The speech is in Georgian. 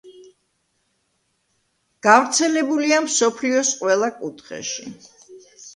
გავრცელებულია მსოფლიოს ყველა კუთხეში.